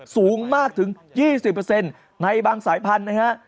สูงมากถึง๒๐ในบางสายพันธุ์นะฮะ